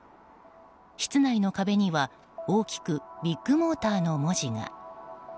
室内の壁には大きく「ビッグモーターの」文字が。